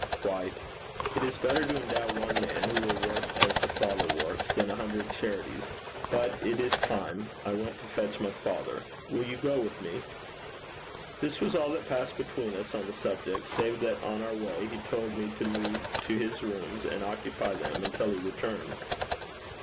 'Quite. It is better to endow one man, who will work as the Father works, than a hundred charities. But it is time I went to fetch my father. Will you go with me?' This was all that passed between us on the subject, save that, on our way, he told me to move to his rooms, and occupy them until he returned.